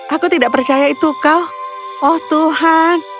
aku tidak percaya itu kau oh tuhan